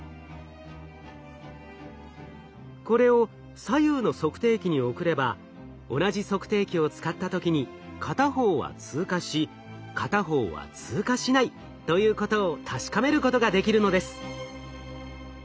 これを左右の測定器に送れば同じ測定器を使った時に片方は通過し片方は通過しないということを確かめることができるのです。